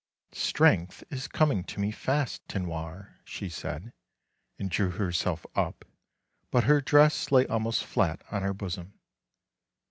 " Strength is coming to me fast, Tinoir," she said, and drew herself up ; but her dress lay almost flat on her bosom.